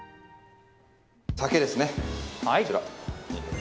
酒ですね。